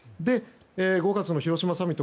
５月の広島サミット